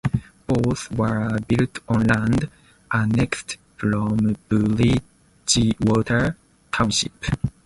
Both were built on land annexed from Bridgewater Township.